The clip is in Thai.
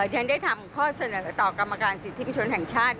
ฉันได้ทำข้อเสนอต่อกรรมการสิทธิประชนแห่งชาติ